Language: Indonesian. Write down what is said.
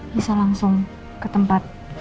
bisa langsung ke tempat